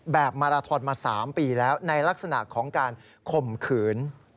มาราทอนมา๓ปีแล้วในลักษณะของการข่มขืน